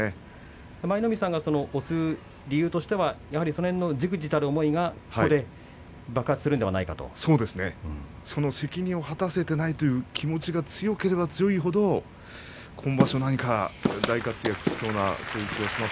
舞の海さんが推す理由としてはじくじたる思いがここで爆発するのではないか責任を果たせていないというかな思いが強ければ強いほど今場所、大活躍しそうなそんな気がします。